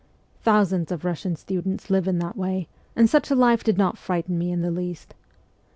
Thousands of Russian students live in that way, and such a life did not frighten me in the least.